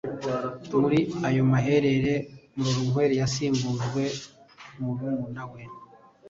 Muri ayo maherere, Murorunkwere yasimbujwe murumuna we,